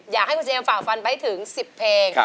อยากให้คุณเจมส่าฟันไปถึง๑๐เพลง